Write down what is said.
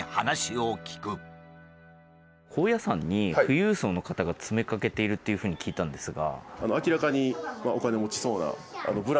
高野山に富裕層の方が詰めかけているというふうに聞いたんですが。